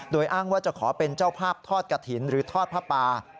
โดยอ้างว่าจะขอเป็นเจ้าภาพทอดกระถิ่นหรือทอดผ้าป่า